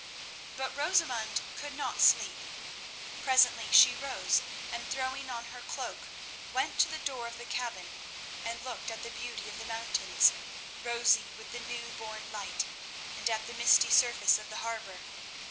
But Rosamund could not sleep. Presently she rose, and throwing on her cloak went to the door of the cabin and looked at the beauty of the mountains, rosy with the new born light, and at the misty surface of the harbour.